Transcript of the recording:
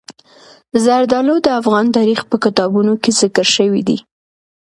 زردالو د افغان تاریخ په کتابونو کې ذکر شوی دي.